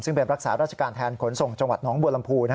ซึ่งเป็นรักษาราชการแทนขนส่งจังหวัดน้องบัวลำพู